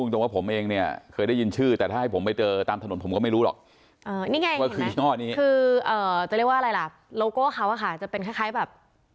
จะเรียกว่าอะไรล่ะโลโก้เขาอ่ะค่ะจะเป็นคล้ายแบบ